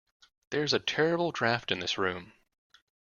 There is a terrible draught in this room